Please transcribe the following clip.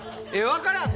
分からん。